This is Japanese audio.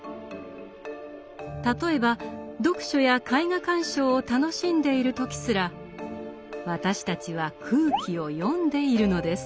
例えば読書や絵画鑑賞を楽しんでいる時すら私たちは空気を読んでいるのです。